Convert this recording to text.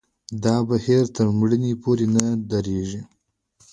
دا بهیر تر مړینې پورې نه درېږي.